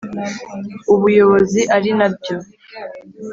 ubuyobozi ari na byo